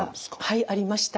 はいありました。